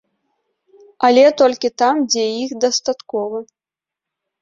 Але толькі там, дзе іх дастаткова.